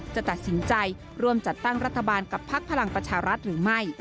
จะตัดสินใจร่วมจัดตั้งรัฐบาลกับพักพลังประชารัฐหรือไม่